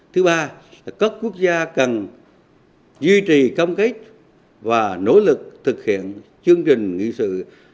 thứ ba là các quốc gia cần duy trì công kết và nỗ lực thực hiện chương trình nghị sự hai nghìn ba mươi